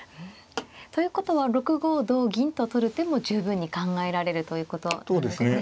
ということは６五同銀と取る手も十分に考えられるということなんですね。